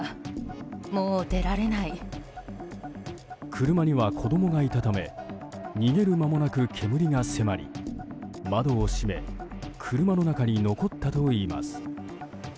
車には子供がいたため逃げる間もなく煙が迫り窓を閉め車の中に残ったといいます。